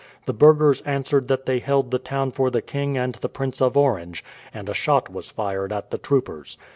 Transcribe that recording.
The burghers answered that they held the town for the king and the Prince of Orange, and a shot was fired at the troopers.